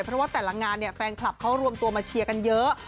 เพราะว่าแต่ละงานเนี่ยแฟนคลับเขารวมตัวมาเชียร์กันเยอะ